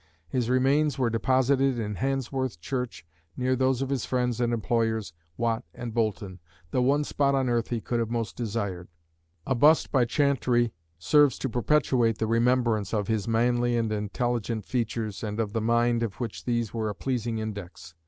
His remains were deposited in Handsworth Church near those of his friends and employers, Watt and Boulton (the one spot on earth he could have most desired). "A bust by Chantrey serves to perpetuate the remembrance of his manly and intelligent features, and of the mind of which these were a pleasing index."